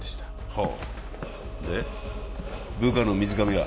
ほうで部下の水上は？